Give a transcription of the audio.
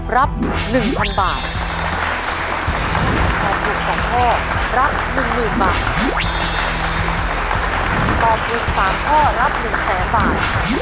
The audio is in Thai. ตอบคุณ๓ข้อรับ๑แสงฟัน